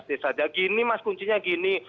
desa ada gini mas kuncinya gini